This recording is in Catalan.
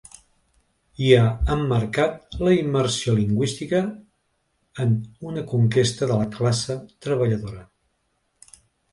I ha emmarcat la immersió lingüística en ‘una conquesta de la classe treballadora’.